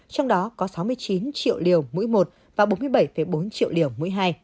trong đó có sáu mươi chín triệu liều mũi một và bốn mươi bảy bốn triệu liều mũi hai